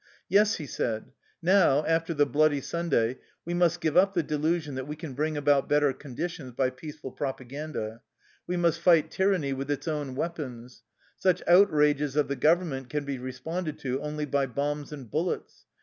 " Yes," he said, " now, after the ^ Bloody Sun day,' we must give up the delusion that we can bring about better conditions by peaceful propa ganda. We must fight tyranny with its own weapons. Such outrages of the Government can be responded to only by bombs and bullets.